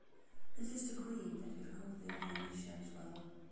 It is to Green that we owe the Venetian swell.